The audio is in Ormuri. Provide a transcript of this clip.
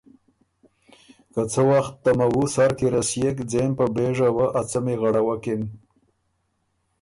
که څۀ وخت ته موُو سر کی رسيېک ځېم پۀ بېژه وه ا څمی غَړَوَکِن